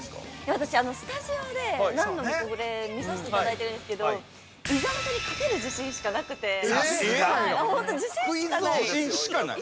◆私、スタジオで、何度もこれ見させていただいてるんですけど伊沢さんに勝てる自信しかなくて◆えっ、自信しかないの？